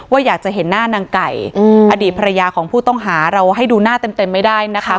อยากจะเห็นหน้านางไก่อดีตภรรยาของผู้ต้องหาเราให้ดูหน้าเต็มไม่ได้นะคะ